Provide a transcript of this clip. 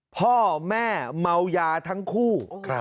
พ่อแม่เมายาทั้งคู่